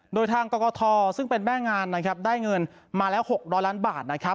โดยทางกรกฐซึ่งเป็นแม่งานได้เงินมาแล้ว๖๐๐ล้านบาท